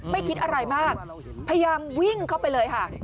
ไม่คิดอะไรมากพยายามวิ่งเข้าไปเลยค่ะ